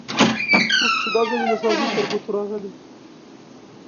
اوس چې دا زمینه سازي تر ګوتو راغلې.